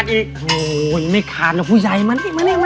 เราสองคนไปเดทกันไหม